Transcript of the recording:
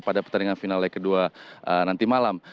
pada pertandingan final leg kedua nanti malam